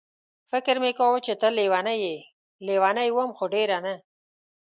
فکر مې کاوه چې ته لېونۍ یې، لېونۍ وم خو ډېره نه.